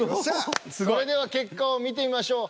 それでは結果を見てみましょう。